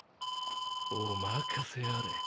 お任せあれ。